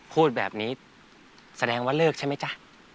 พูดแบบนี้แสดงว่าเลิกใช่ไหมจ๊ะ